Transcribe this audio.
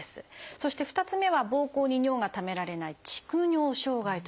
そして２つ目はぼうこうに尿がためられない「蓄尿障害」というもの。